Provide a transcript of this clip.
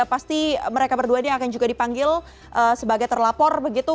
pasti mereka berduanya akan juga dipanggil sebagai terlapor begitu